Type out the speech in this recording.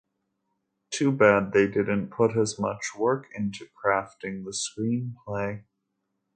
Too bad they didn't put as much work into crafting the screenplay.